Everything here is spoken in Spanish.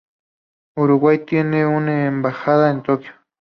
Uruguay tiene una embajada en Tokio.